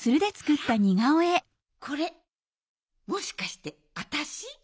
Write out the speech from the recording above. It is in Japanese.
これもしかしてあたし？